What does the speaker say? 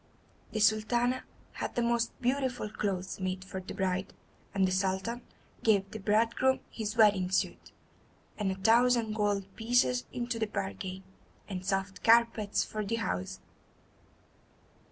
The Sultana had the most beautiful clothes made for the bride, and the Sultan gave the bridegroom his wedding suit, and a thousand gold pieces into the bargain, and soft carpets for the house.